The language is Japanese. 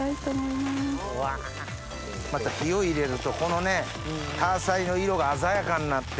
また火を入れるとこのタアサイの色が鮮やかになって。